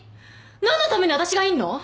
何のために私がいんの？